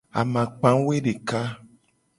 Amakpa woedeka.